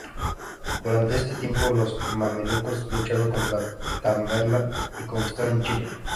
Durante este tiempo los mamelucos lucharon contra Tamerlán y conquistaron Chipre.